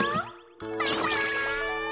バイバイ！